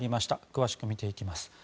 詳しく見ていきます。